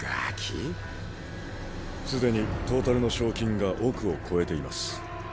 すでにトータルの賞金が億を超えています。